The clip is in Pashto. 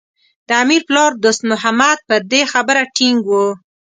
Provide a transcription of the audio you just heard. د امیر پلار دوست محمد پر دې خبره ټینګ و.